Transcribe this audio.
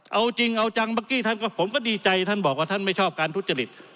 เอาจริงเอาจังเมื่อกี้ท่านผมก็ดีใจท่านบอกว่าท่านไม่ชอบการทุจริต